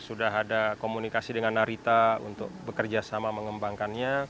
sudah ada komunikasi dengan narita untuk bekerja sama mengembangkannya